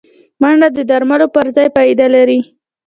منډه د درملو پر ځای فایده لري